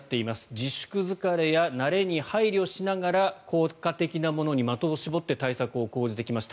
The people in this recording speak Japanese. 自粛疲れや慣れに配慮しながら効果的なものに的を絞って対策を講じてきました。